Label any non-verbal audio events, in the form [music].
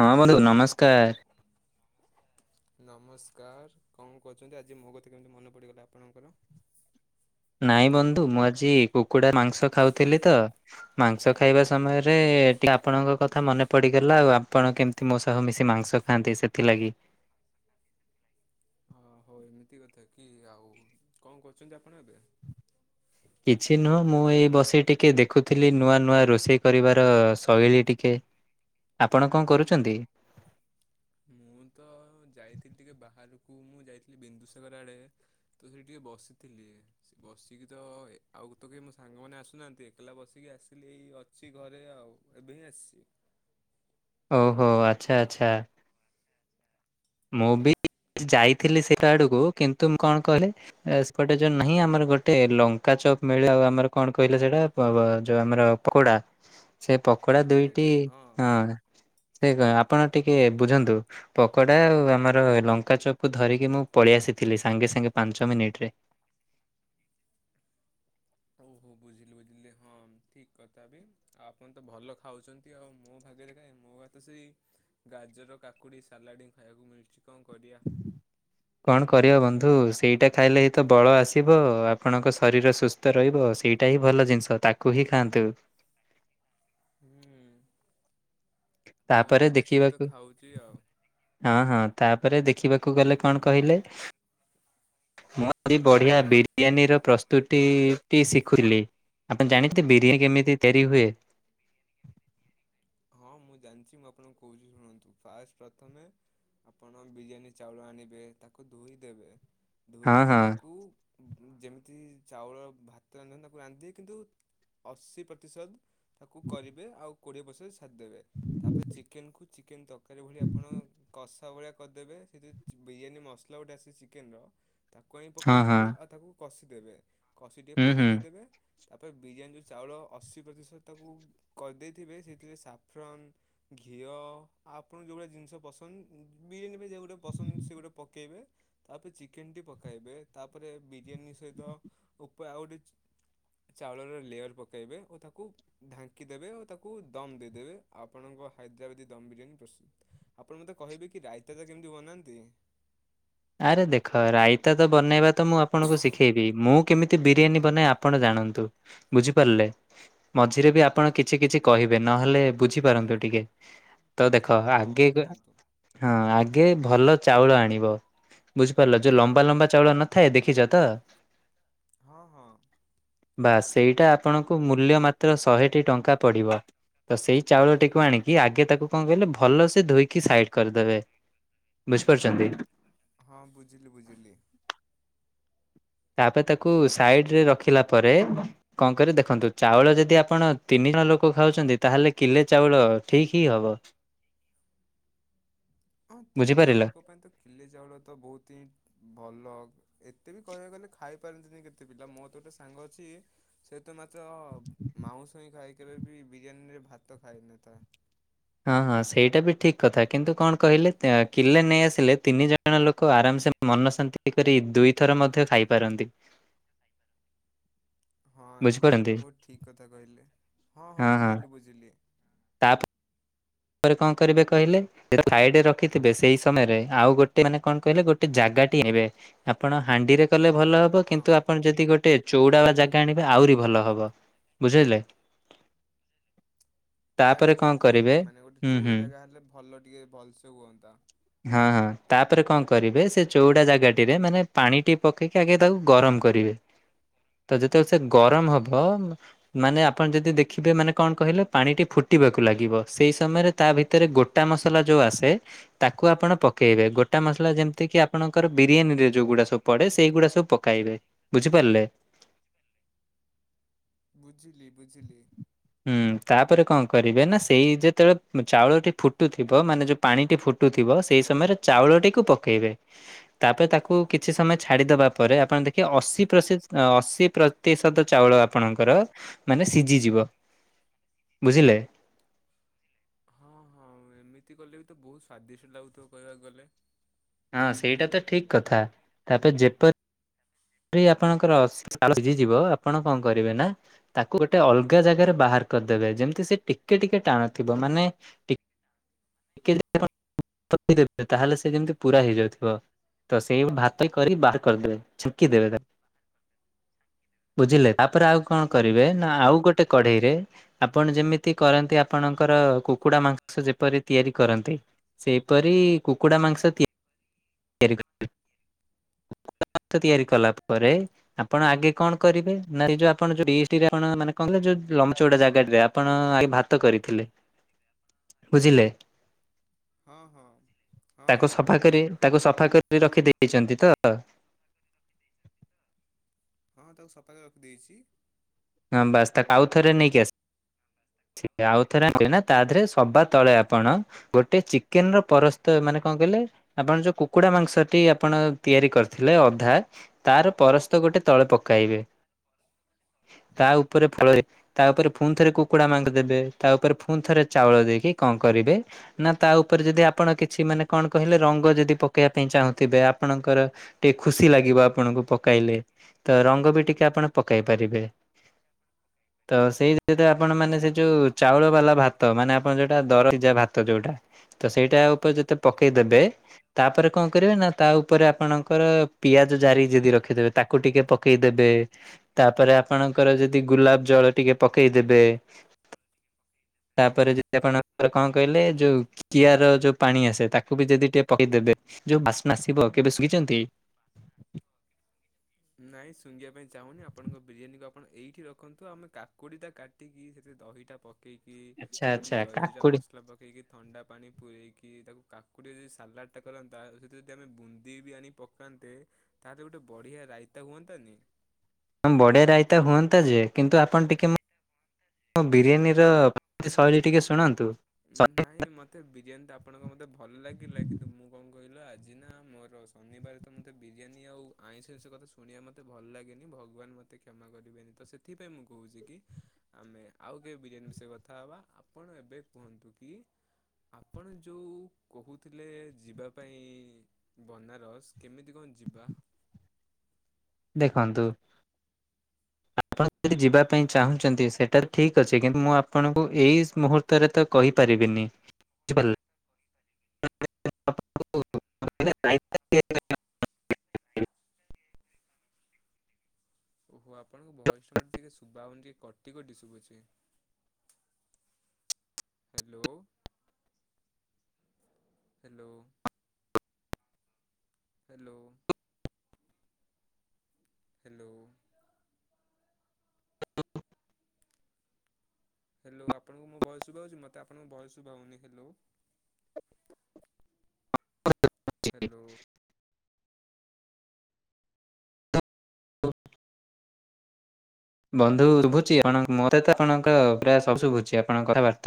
ହଁ ବନ୍ଧୁ, ନମସ୍କାର। ନମସ୍କାର କଣ କହୁଛନ୍ତି ଆଜି ମୋ କଥା କେମିତି ମନେ ପଡିଗଲା ଆପଣଙ୍କର? ନାଇଁ ବନ୍ଧୁ ମୁଁ ଆଜି କୁକୁଡା ମାଂସ ଖାଉଥିଲି ତ, ମାଂସ ଖାଇବା ସମୟରେ ଆପଣଙ୍କ କଥା ମନେ ପଡିଗଲା ଆଉ ଆପଣ କେମତି ମୋ ସହ ମିଶି ମାଂସ ଖାଆନ୍ତି, ସେଥିଲାଗି। ଓ ଏମିତି କଥା କି ଆଉ କଣ କରୁଛନ୍ତି ଆପଣ ଏବେ? କିଛି ନୁହଁ ମୁଁ ଏଇ ବସି ଟିକେ ଦେଖୁଥିଲି ନୂଆ ନୂଆ ରୋଷେଇ କରିବାର ଶୈଳୀ ଟିକେ। ଆପଣ କଣ ଓ କରୁଛନ୍ତି ମୁଁ ତ ଯାଇଥିଲି ଟିକେ ବାହାରକୁ ମୁଁ ଯାଇ ଥିଲି ବିନ୍ଦୁସାଗର ଆଡେ ତ ସେଠି ଟିକେ ବସିଥିଲି ବସିକି ତ ଆଉ କେହି ମୋ ସା ସାଙ୍ଗମାନେ ଆସୁନାହାନ୍ତି ଏକଲା ବସିକି ଆସିଲି। ଏ ଅଛି ଘରେ ଆଉ ଏବେ ହିଁ ଆସିଛି। ଓହୋ! ଆଚ୍ଛା ଆଚ୍ଛା। ମୁଁ ବି ଯାଇଥିଲି ସେଟା ଆଡକୁ କିନ୍ତୁ ମୁଁ କଣ କହିଲେ ଏ ସେପଟେ ଯୋଉ ନାହିଁ ଆମର ଗୋଟେ ଲଙ୍କା ଚପ ମିଳେ ଆଉ ଆମର କଣ କହିଲେ ସେଇଟା ପ ଯୋଉ ଆମର ପକୋଡା। ସେ ପକୋଡା ଦୁଇଟି, ହଁ ସେ କ ଆପଣ ଟିକେ ବୁଝନ୍ତୁ ପକୋ ଡା ଆଉ ଆମର ଲଙ୍କା ଚପ୍ କୁ ଧରିକି ମୁଁ ପଳେଇ ଆସିଥିଲି ସାଙ୍ଗେ ସାଙ୍ଗେ ପାଞ୍ଚ ମିନିଟରେ। ଓହୋ ବୁଝିଲି ହଁ ଠିକ କଥା ବି ଆଉ ଆପଣ ତ ଭଲ ଖାଉଛନ୍ତି ଆଉ ମୋ ଭାଗ୍ୟରେ କାଇଁ ମୋ ଭାଗ୍ୟରେ ତ ସେଇ ଗାଜର, କାକୁଡି ସାଲାଡ ହିଁ ଖାଇବାକୁ ମିଳୁଛି। କଣ କରିବା କଣ କରିବା ବନ୍ଧ? ନ୍ଧୁ ସେଇଟା ଖାଇଲେ ହିଁ ତ ବଳ ଆସିବ, ଆପଣଙ୍କ ଶରୀର ସୁସ୍ଥ ରହିବ, ସେଇଟା ହିଁ ଭଲ ଜିନଷ। ତାକୁ ହିଁ ଖାଆନ୍ତୁ। ହୁଁ। କଣ ତାପରେ କରିବା ସେ ତ ଦେଖିବାକୁ ଖାଉଛି ଆଉ ହଁ ହଁ ତାପରେ ଦେଖିବା କୁ ଗଲେ କଣ କହିଲେ? ମୁଁ ଆଜି ବଢିଆ ବିରିୟାନୀର ପ୍ରସ୍ତୁତି ଟି ଶିଖୁଥିଲି। ଆପଣ ଜାଣିଛନ୍ତି ବିରିୟାନୀ କେମିତି ତିଆରି ହୁଏ? ଜାଣି ମୁଁ ଆପଣଙ୍କୁ କହୁଚି ଶୁଣନ୍ତୁ ଫାଷ୍ଟ୍ ପ୍ରଥମେ ଆପଣ ବିରିୟାନୀ ଚାଉଳ ଆଣିବେ ତାକୁ ଧୋଇ ଦେବେ ହଁ ଧୋଇକି ହଁ ତାକୁ ଯେମିତି ଚାଉଳ ଭାତ ରାନ୍ଧନ୍ତି ତାକୁ ରାନ୍ଧିକି କିନ୍ତୁ ଅଶୀ ପ୍ରତିଶତ ତାକୁ କରିବେ ଆଉ କୋ ବସେ ଦେବେ ତାପରେ ଚିକେନ୍ କୁ ଚିକେନ ତରକାରୀ ଭଳିଆ କସ୍ ସବ ଭଳିଆ କରିଦେବେ ସେଇଥି ବିରିୟାନୀ ମସଲା ଗୋଟେ ଆସେ ଚିକେନର ତାକୁ ଆଣ ହଁ ପକାଇ ହଁ ଦେେବେ ଆଉ ତାକୁ କଷି ଦେବେ, କଷି ଟିକେ ହୁଁ ପାଣି ହୁଁ। ଦେଇଦେବେ। ତାପରେ ବିରିୟାନୀ ଯୋଉ ଚାଉଳ ଅଶୀ ପ୍ରତିଶତ ତାକୁ କରିଦେଇଥିବେ ସେଥିରେ ସା ଘିଅ ଆପଣ ଯୋଉ ଭଳିଆ ଜିନିଷ ପସନ୍ଦ ବିରିୟାନୀ ଗୁ ପସନ୍ଦ ସେ ପକେଇବେ ତାପରେ ଚିକେନ ଟି ପକେଇବେ, ତାପରେ ବିରିୟାନୀ ସହିତ ଉପ ଆଉ ଗୋଟେ ହ ଚାଉଳର ଲେୟର ପକେଇବେ ଓ ତାକୁ ଢାଙ୍କି ଦେବେ ଓ ତାକୁ ଦମ ଦେଇ ଦେବେ ଆପଣଙ୍କ ହାଇଦ୍ରାବାଦୀ ଦମ ବିରିୟାନୀ ପ୍ରସିଦ୍ଧ ଆପଣ ମତେ କହିବେ କି ରାଇତାଟ କେମିତି ବନାନ୍ତି? ହ ଆରେ ଦେଖ ରାଇତା ତ ବନେଇବା ତ ମୁଁ ଆପଣଙ୍କୁ ଶିଖେଇବି ମୁଁ କେମିତି ବିରିୟାନୀ ବନାଏ ଆପଣ ଜାଣ ଜାଣନ୍ତୁ ବୁଝିପାରିଲେ? ମଝିରେ ବି ଆପଣ କିଛି କିଛି କହିବେ ନହେଲେ ବୁଝିପାରନ୍ତୁ ଟିକେ ତ ଦେଖ ହଁ ଆଗେ ହଁ କୁହନ୍ତୁ ହଁ ଆଗେ ଭଲ ଚାଉଳ ଆଣିବ। ବୁଝିପାରିଲ ଯୋଉ ହଁ ଲମ୍ବା ଲମ୍ବା ଚାଉଳ ନଥାଏ, ଦେଖିଛ ତ? ହଁ ହଁ ବାସ୍ ସେଇ ଆପଣଙ୍କୁ ମୂଲ୍ୟ ମାତ୍ର ଶହେଟି ଟଙ୍କା ପଡ଼ିବ। ତ ସେଇ ଚାଉଳଟିକୁ ଆଣିକି ଆଗେ ତାକୁ କଣ କହିଲେ ଭଲ ସେ ଧୋଇକି ସାଇଡ୍ କରିଦେବେ। ବୁଝିପାରୁଛନ୍ତି। ହଁ ବୁଝିଲି ବୁଝିଲି। ତାପରେ ତାକୁ ସାଇଡରେ ରଖିଲା ପରେ କଣକରିବେ ଦେଖନ୍ତୁ ଚାଉଳ ଯଦି ଆପଣ ତିନି ଜଣ ଲୋକ ଖାଉଛନ୍ତି ତାହେଲେ କିଲେ ଚାଉଳ ଠିକ ହିଁ ହବ। ହଁ ତିନି ଜଣ ବୁଝିପାରିଲ ଲୋକ ପାଇଁ ତ କିଲେ ଚାଉଳ ତ ବୋହୁତ ହିଁ ଭଲ। ଏତେ ବି କହିବାକୁ ଗଲେ ଖାଇ ପାରନ୍ତିନି କେତେ ପିଲା ମୋ ତ ଗୋଟେ ସାଙ୍ଗ ଅଛି ସେ ତ ମାତ୍ର ମାଉଁସ ହିଁ ଖାଏ କେବେ ବି ବିରିୟାନୀରେ ଭାତ ଖାଇନଥାଏ। ହଁ ହଁ ସେଇଟା ବି ଠିକ୍ କଥା କିନ୍ତୁ କଣ କହିଲେ କି ଲେ ନେଇଆସିଲେ ତିନି ଜଣ ଲୋକ ଆରାମ ସେ ମନ ଶାନ୍ତି କରି ଦୁଇଥର ମଧ୍ୟ ଖାଇପାରନ୍ତି। ହଁ ଆପଣ ତା ବୁଝିପାରନ୍ତି କୁ ବୋହୁତ ଠିକ କଥା କହିଲେ ହଁ ହଁ ବୁଝିଲି ବୁଝିଲି। ତା ତାପରେ କଣ କରିବେ କହିଲେ ସାଇଡରେ ରଖିଥିବେ ସେଇ ସମୟରେ ଆଉ ଗୋଟେ ମାନେ କଣ କହିଲେ ଗୋଟେ ଜାଗା ଆପଣ ହାଣ୍ଡିରେ କଲେ ଭଲ ହବ ହଁ କିନ୍ତୁ ଆପଣ ଯଦି ଗୋଟେ ଚଉଡା ବା ଜାଗା ଆଣିବେ ଆହୁରି ଭଲ ହବ ବୁଝିଲେ। ତାପରେ କଣ ଜାଣିପାରିଲି କରିବେ ମାନେ ଗୋଟେ ହୁଁ ଚଉଡ ହୁଁ ଜାଗା ହେଲେ ଭଲ ଟିକେ ଭଲ ସେ ହୁଅନ୍ତା। ହଁ ହଁ ତାପରେ କଣ କରିବେ ସେ ଚଉଡା ଜାଗା ଟିରେ ମାନେ ପାଣିଟି ପକେଇକି ଆଗେ ତାକୁ ଗରମ କରିବେ। ତ ଯେତେବେଳେ ସେ ଗରମ ହବ ମାନେ ଆପଣ ଯଦି ଦେଖିବେ ମାନେ କଣ କହିଲେ ପାଣିଟି ଫୁଟ ଫୁଟିବାକୁ ଲାଗିବ ସେଇ ତା ଭିତରେ ଗୋଟା ମସଲା ଯୋଉ ଆସେ ତାକୁ ଆପଣ ପକାଇବେ ଗୋଟା ମସଲା ଯେମିତି କି ଆପଣ ଙ୍କର ବିରିୟାନୀରେ ଯୋଉ ଗୁଡା ସବୁ ପଡେ ସେଇଗୁଡା ସବୁ ପକାଇବେ ବୁଝିପାରିଲେ। ବୁଝିଲି ବୁଝିଲି। ହୁଁ ତାପରେ କଣ କରିବେ ନା ସେଇ ଯେ ଯେତେବେଳେ ଚାଉଳଟି ଫୁଟୁଥିବ ମାନେ ଯୋଉ ପାଣିଟି ଫୁଟୁଥିବ ସେଇ ସମୟରେ ଚାଉଳଟିକୁ ପକେଇବେ। ତାପରେ ତାକୁ କିଛି ସମୟ ଛାଡିଦବା ପରେ ଆପଣ ଦେଖିବେ ଅଶୀ [unintelligible] ପ୍ରତିଶ ଆସୀ ପ୍ରତିଶତ ଚାଉଳ ଆପଣଙ୍କର ମାନେ ସିଝିଯିବ ବୁଝିଲେ। ହଁ ହଁ ଏମିତି କଲେ ବି ତ ବହୁତ ସ୍ଵାଦିଷ୍ଟ ଲାଗୁଥିବ କହିବାକୁ ଗଲେ ହଁ ସେଇଟା ତ ଠିକ କଥା ତାପରେ ଯେପ ଆରି ଆପଣଙ୍କର ସିଜିଯିବ ଆପଣ କଣ କରିବେ ନା ତାକୁ ଗୋଟେ ଅଲଗା ଜାଗାରେ ବାହାର କରିଦେବେ ଯେମିତି ସେ ଟିକେ ଟିକେ ଟାଣଥିବ ମାନେ ପଠେଇଦବ ତାହେଲେ ସେ ଯେମିତି ପୁରା ହେଇଯାଉଥିବ। ତ ସେଇ ଭାତ କରି ବାହାର କରିଦେବେ ଛୁଂକି ଦେବେ ତାକୁ। ବୁଝିଲେ ତାପରେ ଆଉ କଣ କରିବେ ହଁ ନା ଆଉ ଗୋଟେ କଢେଇ ରେ ଆପଣ ଯେମିତି କରନ୍ତି ଆପଣଙ୍କର କୁକୁଡା ମାଂସ ଯେପରି ତିଆରି କରନ୍ତି। ସେହିପରି କୁକୁଡ଼ା ମାଂସ ତିଆରି [unintelligible] ମା ତିଆରି କଲା ପରେ ଆପଣ ଆଗେ କଣ କରିବେ ନା ଯୋଉ ଆପଣ [unintelligible] [unintelligible] ମେ କଣ ଯୋଉ ଲମ୍ବା ଚଉଡା ଜାଗା ରେ ଆପଣ ଆଗେ ଭାତ କରିଥିଲେ। ବୁଝିଲେ ହଁ ହଁ ହଁ। ତାକୁ ସଫା କରି ତାକୁ ସଫା କରି ରଖି ଦେଇଛନ୍ତି ତ? ହଁ ତାକୁ ସଫା କରି ରଖିଦେଇଛି। ହଁ ବାସ୍ ତାକୁ ଆଉ ଥରେ ନେଇକି ଆସିବ। ସେ ଆଉଥରେ ତାଦେହରେ ସବା ତଳେ ଆପଣ ଗୋଟେ ଚିକେନ ର ପରସ୍ତ ମାନେ କଣ? କଣ କହିଲେ ଆପଣ ଯୋଉ କୁକୁଡା ମାଂସଟି ଆପଣ ତିଆରି କରିଥିଲେ ଅଧା ତାର ପରସ୍ତ ଗୋ ଗୋଟେ ତଳେ ପକାଇବେ ତା ଉପରେ ତା ଉପରେ ପୁଣି ଥରେ କୁକୁଡ଼ା ମାଂସ ଦେବେ ତା ଉପରେ ପୁଣି ଥରେ ଚାଉଳ ଦେଇକି କଣ କରିବେ ନା ତା ଉପରେ ଯଦି ଆପଣ କିଛି ମାନେ କଣ କହିଲେ ରଙ୍ଗ ଯଦି ପକେଇବା ପାଇଁ ଚାହୁଁଥିବେ ଆପଣଙ୍କର ଟିକେ ଖୁସି ଲାଗିବ ଆପଣଙ୍କୁ ପକାଇଲେ ତ ରଙ୍ଗ ବି ଟିକେ ଆପଣ ପକେଇ ପାରିବେ ତ ସେଇ ଯ [unintelligible] ଆପଣ ମାନେ ସେ ଯୋଉ ଚାଉଳ ବାଲା ଭାତ ମାନେ ଆପଣ ଯୋଉଟା ଦରଜା ଭାତ ଯୋଉଟା ତ ସେଇଟା ଉପଯ ଯେତେ ପକେଇଦବେ ତାପରେ କଣ କରିବେ ନା ତା ଉପରେ ଆପଣଙ୍କର ପିଆଜ ଜାରି ଯଦି ରଖିଦେବେ ତାକୁ ଟିକେ ପକେଇଦେବେ ତାପରେ ଆପଣଙ୍କର ଯଦି ଗୁଲାପ ଜଳ ଟିକେ ପକେଇଦେବେ ହ [inaudible] ତାପରେ ଯଦି ଆପଣଙ୍କର କଣ କହିଲେ ଯୋଉ କିଆର ଯୋଉ ପାଣି ଆସେ ତାକୁ ବି ଯଦି ଟିକେ ପକେଇଦେବେ ଯୋଉ ବାସ୍ନା ଆସିବ କେବେ ଶୁଙ୍ଗିଛନ୍ତି? ନାଇଁ ଶୁଙ୍ଗିବା ପାଇଁ ଚାହୁନି ଆପଣଙ୍କ ବିରିୟାନୀକୁ ଆପଣ ଏଇଠି ରଖନ୍ତୁ ଆମେ କାକୁଡି ଟା କାଟିକି ସେ ସେ ଦହିଟା ପକେଇକି ଆଚ୍ଛା ଯଦି ଆଚ୍ଛା ଜଲଜିିରା କାକୁଡି ମସଲା ପକେଇକି ଥଣ୍ଡା ପାଣି ପୁରେଇକି ତାକୁ କାକୁଡି ଯଦି ସାଲାଡ ଟା କରନ୍ତା ସେଇଠା ଯଦି ଆମେ ବୁନ୍ଦି ବି ଆଣି ପକାନ୍ତେ ତାହେଲେ ଗୋଟେ ବଢିଆ ରାଇ [unintelligible] ତାକୁୁତାାନି [unintelligible] ବଡ଼େ ରାଇତା ହୁଅନ୍ତା ଯେ କିନ୍ତୁ ଆପଣ ଟିକେ ବିରିୟାନୀର ଶୈଳୀ ଟିକେ ଶୁଣାନ୍ତୁ। ନାଇଁ ମତେ ବିରିୟାନୀ ଆପଣଙ୍କ ମତେ ଭଲ ଲାଗିଲା କିନ୍ତୁ ମୁଁ କଣ କହିଲ ଆ ମୋର ଶନିବାର ତ ମୋତେ ବିରିୟାନୀ ଆଉ ଆଇଁଷ ଆଇଁଷ କଥା ଶୁଣିବା ମତେ ଭଲ ଲାଗେନି। ଭଗବାନ ମତେ କ୍ଷମା କର। କରିବେନି ତ ସେଥିପାଇଁ ମୁଁ କହୁଛି କି ଆମେ ଆଉ କେ ବିରିୟାନୀ ବିଷୟରେ କଥା ହେବା। ଆପଣ ଏବେ କୁହନ୍ତୁ କି ଆପଣ ଯୋଉଁ କହୁଥିଲେ ଯିବା ପାଇଁ ବନାରସ କେମିତି କ ଯିବା। ଦେଖନ୍ତୁ ଆପଣ ଯଦି ଯିବା ପାଇଁ ଚାହୁଁଛନ୍ତି। ସେଟା ଠିକ ଅଛି କିନ୍ତୁ ମୁଁ ଆପଣଙ୍କୁ ଏଇ ମୁହୂର୍ତ୍ତରେ ତ କହି ପାରିବିନି। [unintelligible] ଓହୋ ଆପଣଙ୍କ ଭଏସ ଟେ ଟିକେ ସୁବା ହଉନି ଟିକେ କଟି କଟି ଶୁଭୁଚି। Hello hello. Hello. Hello. Hello ଆପଣଙ୍କୁ ମୋ ଭୟସ ଶୁଭାଉଛି। ମତେ ଆପଣଙ୍କ ଭୟସ ଶୁଭା ହଉନି। ହ୍ୟାଲୋ। ହ୍ୟାଲୋ। [unintelligible] ବନ୍ଧୁ ଶୁଭୁଛି। ମତେ ଆପଣଙ୍କ ପ୍ରାୟ ସବୁ ଶୁଭୁଛି। ଆପଣଙ୍କ କଥାବାର୍ତ୍ତା